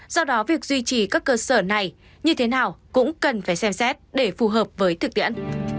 do đó việc duy trì các cơ sở này như thế nào cũng cần phải xem xét để phù hợp với thực tiễn